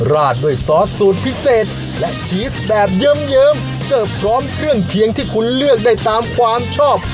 ราดด้วยซอสสูตรพิเศษและชีสแบบเยิ้มเสิร์ฟพร้อมเครื่องเคียงที่คุณเลือกได้ตามความชอบ